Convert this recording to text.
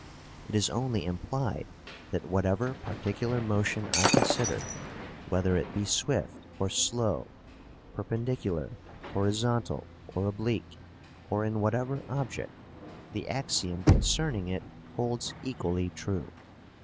It is only implied that whatever particular motion I consider, whether it be swift or slow, perpendicular, horizontal, or oblique, or in whatever object, the axiom concerning it holds equally true.